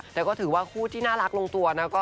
แต่ก็ถือว่าคู่ที่น่ารักลงตัวนะ